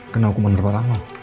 kena hukuman terbaru